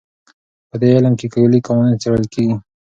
په دې علم کې کلي قوانین څېړل کېږي.